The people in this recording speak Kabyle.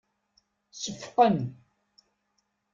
Seffqen.